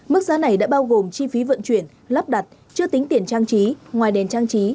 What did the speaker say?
mức giá này đã bao gồm chi phí vận chuyển lắp đặt chưa tính tiền trang trí ngoài đèn trang trí